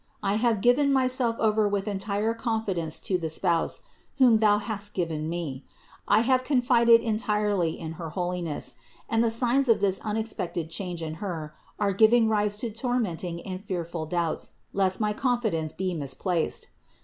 I have given my self over with entire confidence to the Spouse whom thou hast given me. I have confided entirely in her holiness; and the signs of this unexpected change in Her are giving rise to tormenting and fearful doubts lest my con fidence be misplaced.